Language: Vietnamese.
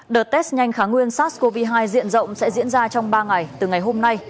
đợt test nhanh kháng nguyên sars cov hai diện rộng sẽ diễn ra trong ba ngày từ ngày hôm nay